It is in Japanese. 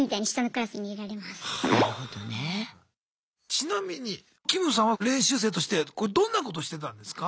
ちなみにキムさんは練習生としてこれどんなことしてたんですか？